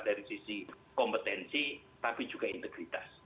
dari sisi kompetensi tapi juga integritas